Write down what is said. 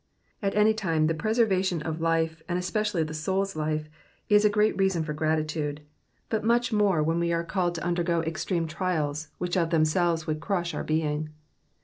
'*'' At any time the preservation of life, and especially the souPs life, is a great reason for gratitude but much more when we are called to undergo extreme trials, which of themselves would crush our being.